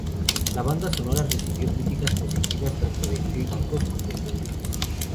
La banda sonora recibió críticas positivas tanto de críticos como públicas.